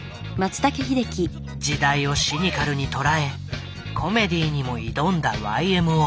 時代をシニカルに捉えコメディーにも挑んだＹＭＯ。